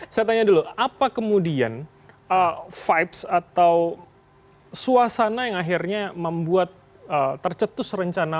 saya tanya dulu apa kemudian vibes atau suasana yang akhirnya membuat tercetus rencana